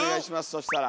そしたら。